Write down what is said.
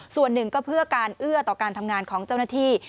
ส่วนหนึ่งก็เพื่อการเอื้อต่อการทำงานของเจ้าหน้าที่